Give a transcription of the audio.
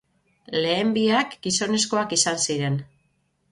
Lehen biak, gizonezkoak izan ziren.